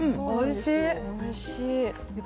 おいしい。